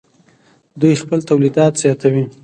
دوی خپل تولیدات زیاتوي.